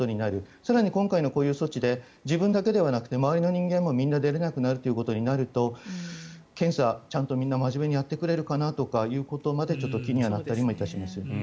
更に今回のこういう措置で自分だけではなくて周りの人間もみんな出れなくなるということになると検査、ちゃんとみんな真面目にやってくれるかなということまでちょっと気になったりします。